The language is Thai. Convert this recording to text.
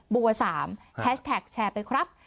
บัว๓แฮชแท็กแชร์ไปครับ